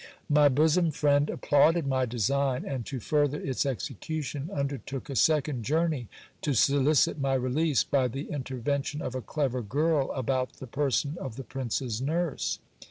My bosom friend applauded my design, and to further its execution, under took a second journey to solicit my release, by the intervention of a clever girl about the person of the prince's nurse.